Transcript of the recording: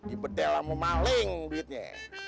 ibetelah memaling guitnya